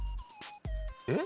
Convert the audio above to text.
えっ？